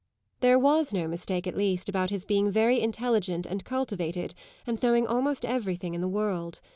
There was no mistake at least about his being very intelligent and cultivated and knowing almost everything in the world.